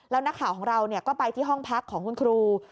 แล้วนักข่าวของเราก็ไปที่ห้องพักของคุณครู